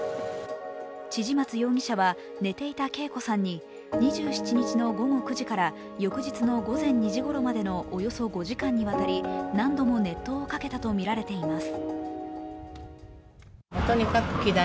千々松容疑者は寝ていた桂子さんに２７日の午後９時から翌日の午前２時ごろまでのおよそ５時間にわたり何度も熱湯をかけたとみられています。